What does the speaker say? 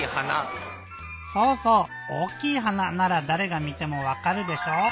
そうそう「おおきいはな」ならだれが見てもわかるでしょ。